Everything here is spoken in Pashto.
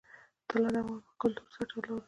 طلا د افغان کلتور سره تړاو لري.